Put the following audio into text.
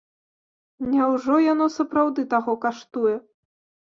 Няўжо яно сапраўды таго каштуе?